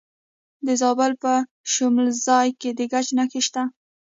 د زابل په شمولزای کې د ګچ نښې شته.